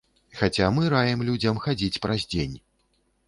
Хаця мы раім людзям хадзіць праз дзень.